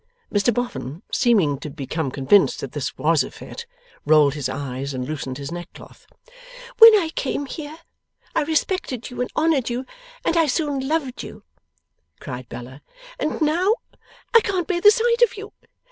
Mr Boffin, seeming to become convinced that this was a fit, rolled his eyes and loosened his neckcloth. 'When I came here, I respected you and honoured you, and I soon loved you,' cried Bella. 'And now I can't bear the sight of you.